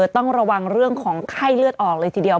ต้องระวังเรื่องของไข้เลือดออกเลยทีเดียว